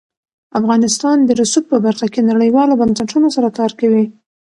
افغانستان د رسوب په برخه کې نړیوالو بنسټونو سره کار کوي.